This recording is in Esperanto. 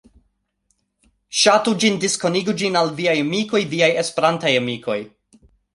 Ŝatu ĝin, diskonigu ĝin al viaj amikoj, viaj Esperantaj amikoj.